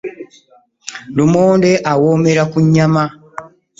Lumonde awoomera ku nyaama.